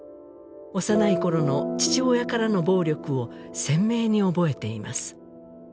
幼い頃の父親からの暴力を鮮明に覚えています